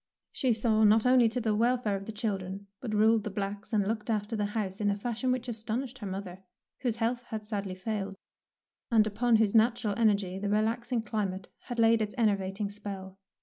She saw not only to the welfare of the children, but ruled the blacks and looked after the house in a fashion which astonished her mother, whose health had sadly failed, and upon whose natural energy the relaxing climate had laid its enervating spell.